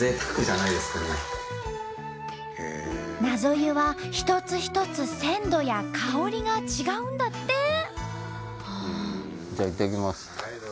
なぞ湯は一つ一つ鮮度や香りが違うんだって！